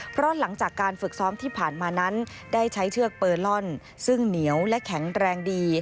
เพราะหลังจากการฝึกซ้อมที่ผ่านมานั้นได้ใช้เชือกเปอร์ลอนซึ่งเหนียวและแข็งแรงดี